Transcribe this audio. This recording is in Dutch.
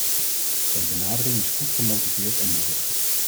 Zijn benadering is goed gemotiveerd en moedig.